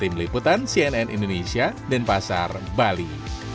tim liputan cnn indonesia dan pasar bali